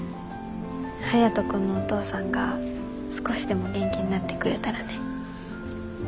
ハヤト君のお父さんが少しでも元気になってくれたらね。